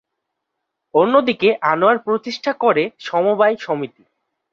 অন্যদিকে আনোয়ার প্রতিষ্ঠা করে সমবায় সমিতি।